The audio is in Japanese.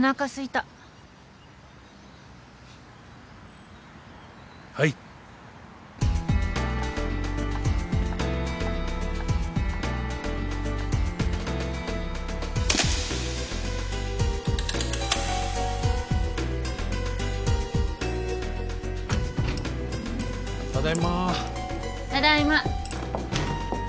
ただいま。